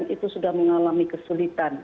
itu sudah mengalami kesulitan